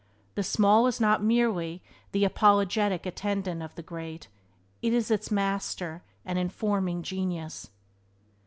The small is not merely the apologetic attendant of the great, it is its master and informing genius.